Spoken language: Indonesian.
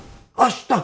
terima kasih pak